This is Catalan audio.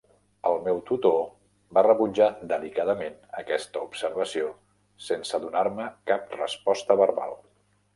El meu tutor va rebutjar delicadament aquesta observació sense donar-me cap resposta verbal.